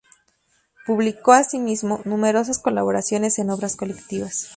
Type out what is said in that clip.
Publicó, asimismo, numerosas colaboraciones en obras colectivas.